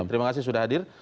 terima kasih sudah hadir